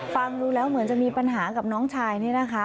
ฟังดูแล้วเหมือนจะมีปัญหากับน้องชายนี่นะคะ